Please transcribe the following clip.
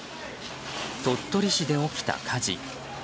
鳥取市で起きた火事。